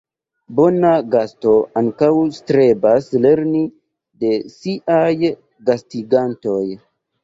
Bona gasto ankaŭ strebas lerni de siaj gastigantoj.